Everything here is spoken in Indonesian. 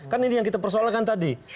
kan ini yang kita persoalkan tadi